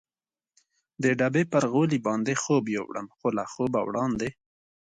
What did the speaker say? د ډبې پر غولي باندې خوب یووړم، خو له خوبه وړاندې.